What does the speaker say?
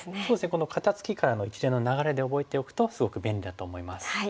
この肩ツキからの一連の流れで覚えておくとすごく便利だと思います。